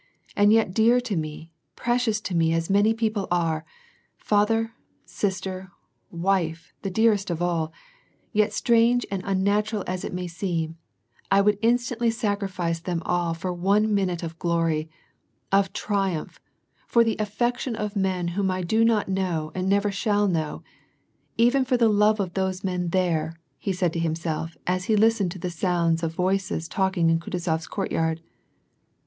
And yet dear to me, precious to me as many people are, — father, sister, wife, the dearest of all, — yet strange and unnatural as it may seem, I would instantly sacrifice them all for one minute of glory, of triumph, for the affection of men whom I do not know and never shall know, even for the love of those men there," said he to himself, as he listened to the sounds of voices talking in Kutuzof s court yard.